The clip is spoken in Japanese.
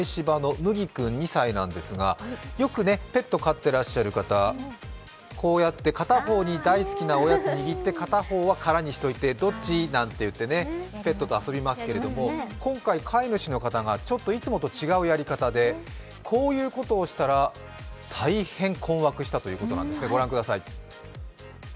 むぎ君２歳なんですが、よくペット飼ってらっしゃる方片方に大好きなおやつ握って片方は空にしておいて、どっち？なんて言ってペットと遊びますけれども今回、飼い主の方がちょっといつも違うやり方でこういうことをしたら大変困惑したということなんですね。